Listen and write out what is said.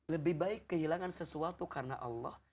lebih baik kehilangan sesuatu karena allah